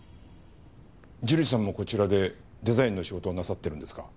樹里さんもこちらでデザインの仕事をなさってるんですか？